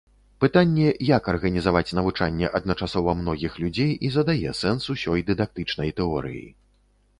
Пытанне, як арганізаваць навучанне адначасова многіх людзей, і задае сэнс усёй дыдактычнай тэорыі.